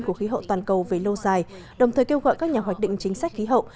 của khí hậu toàn cầu về lâu dài đồng thời kêu gọi các nhà hoạch định chính sách khí hậu